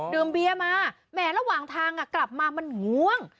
เบียร์มาแหมระหว่างทางกลับมามันง่วง